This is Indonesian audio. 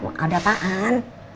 mau ada apaan